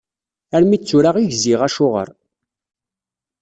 Armi d tura i gziɣ acuɣer.